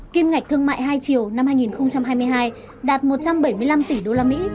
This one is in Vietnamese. kim ngạch thương mại hai triệu năm hai nghìn hai mươi hai đạt một trăm bảy mươi năm tỷ usd